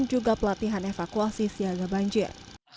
dan juga pelatihan evakuasi siaga banjir